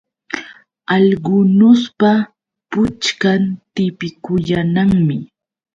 Algunuspa puchkan tipikuyanmi.